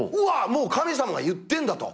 もう神様が言ってんだと。